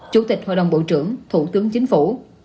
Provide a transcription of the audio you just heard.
chủ tịch hội đồng bộ trưởng thủ tướng chính phủ